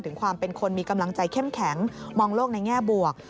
ถึงความเป็นคนมีกำลังใจเข้มแข็งมองโลกในแง่บวก